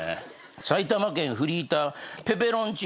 埼玉県フリーターペペロン千野